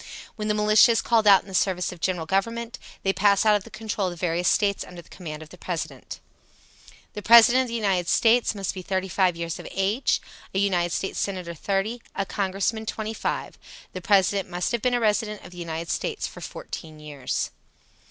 When the militia is called out in the service of the General Government, they pass out of the control of the various States under the command of the President. The President of the United States must be 35 years of age: a United States Senator, 30; a Congressman, 25. The President must have been a resident of the United States fourteen years.